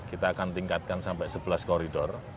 kita akan tingkatkan sampai sebelas koridor